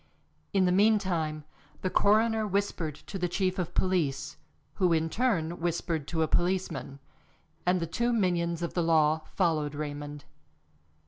In the meantime the coroner whispered to the chief of police, who in turn whispered to a policeman, and the two minions of the law followed Raymond.